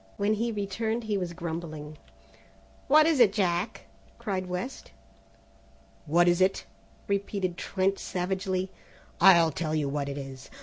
When he returned he was grumbling. "What is it, Jack?" cried West. "What is it?" repeated Trent savagely; "I'll tell you what it is.